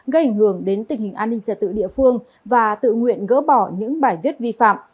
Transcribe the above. gây ảnh hưởng đến tình hình an ninh trả tự địa phương và tự nguyện gỡ bỏ những bài viết vi phạm